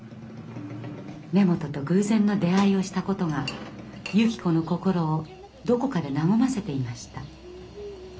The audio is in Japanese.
根本と偶然の出会いをしたことがゆき子の心をどこかで和ませていました。